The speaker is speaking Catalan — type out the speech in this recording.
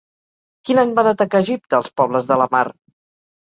Quin any van atacar Egipte els pobles de la mar?